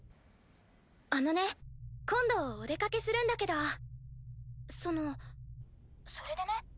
あのね今度お出かけするんだけどそのそれでね。